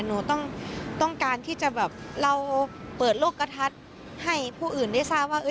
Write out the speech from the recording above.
หนูต้องการที่จะแบบเราเปิดโลกกระทัดให้ผู้อื่นได้ทราบว่า